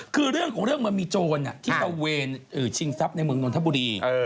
คือเรื่องของเรื่องมันมีโจรที่ตระเวนชิงทรัพย์ในเมืองนนทบุรี